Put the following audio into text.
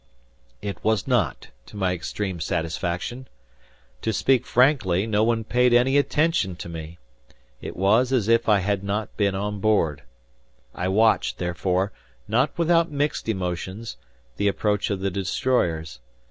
It was not, to my extreme satisfaction. To speak frankly, no one paid any attention to me. It was as if I had not been on board. I watched, therefore, not without mixed emotions, the approach of the destroyers.